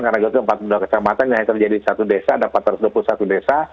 karena garut empat puluh dua kecamatan yang terjadi di satu desa ada empat ratus dua puluh satu desa